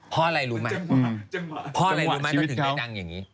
เพราะอะไรรู้มั้ยเพราะอะไรรู้มั้ยถ้าถึงได้ดังอย่างนี้